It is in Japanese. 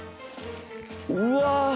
うわ。